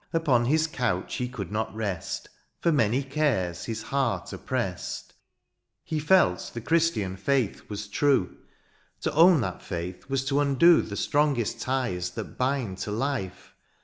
Upon his couch he could not rest. For many cares his heart opprest. He felt the Christian faith was true ; To own that faith was to imdo The strongest ties that bind to life.